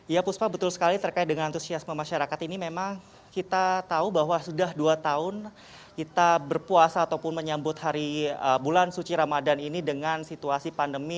ya puspa betul sekali terkait dengan antusiasme masyarakat ini memang kita tahu bahwa sudah dua tahun kita berpuasa ataupun menyambut hari bulan suci ramadan ini dengan situasi pandemi